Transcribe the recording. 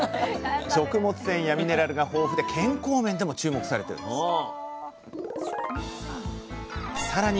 食物繊維やミネラルが豊富で健康面でも注目されているんですさらに